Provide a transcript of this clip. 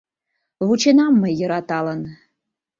Вученам мый йӧраталын